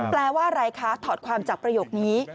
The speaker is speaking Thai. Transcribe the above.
แปลว่าอะไรคะถอดความจากประโยคนี้